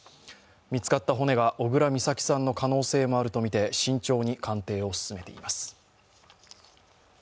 見つかった骨が小倉美咲さんの可能性もあるとみて慎重に鑑定を進めています。